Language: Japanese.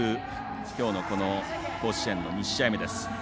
きょうの甲子園の２試合目です。